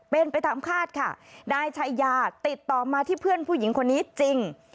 เป็นไปตามคาดค่ะนายชายาติดต่อมาที่เพื่อนผู้หญิงคนนี้จริง